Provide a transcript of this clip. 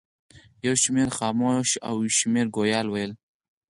یو شمېر خموش او یو شمېر ګویا ول.